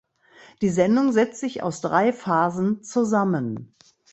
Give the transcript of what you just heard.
Die Sendung setzt sich aus drei Phasen zusammen.